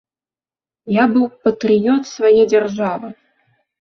Я быў патрыёт свае дзяржавы.